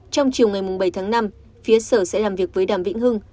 trong chiều ngày bảy tháng năm phía sở sẽ làm việc với đàm vĩnh hưng